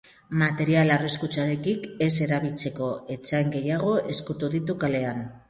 Material arriskutsurik ez erabiltzeko, ertzain gehiago eskatu ditu kalean.